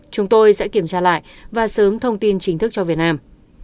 chúng tôi sẽ kiểm tra lại và sớm thông tin chính thức cho việt nam